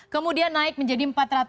kemudian naik menjadi empat ratus dua puluh